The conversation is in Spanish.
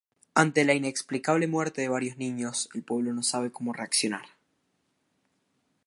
Ante la inexplicable muerte de varios niños, el pueblo no sabe cómo reaccionar.